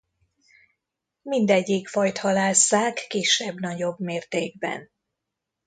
Mindegyik fajt halásszák kisebb-nagyobb mértékben.